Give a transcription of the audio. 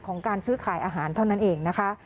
การซื้อขายอาหารเท่านั้นเองนะคะ